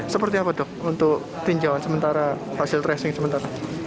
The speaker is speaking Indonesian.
seperti apa dok untuk tinjauan sementara hasil tracing sementara